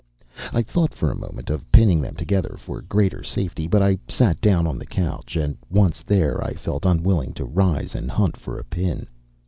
I thought for a moment of pinning them together for greater safety, but I sat down on the couch, and once there I felt unwilling to rise and hunt for a pin.